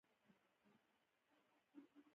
شېخ عیسي په هند کښي هم پښتو ژبه پاللـې او ساتلې ده.